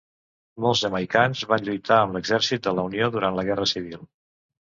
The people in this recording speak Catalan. Molts jamaicans van lluitar amb l'Exèrcit de la unió durant la Guerra Civil.